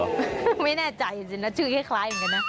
ไม่แน่ใจชื่อให้คล้ายเหมือนกันนะ